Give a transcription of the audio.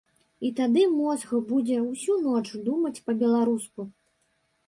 І тады мозг будзе ўсю ноч думаць па-беларуску.